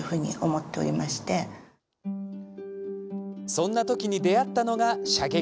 そんなときに出会ったのが射撃。